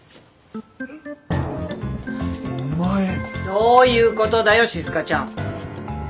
どういうことだよ静ちゃん。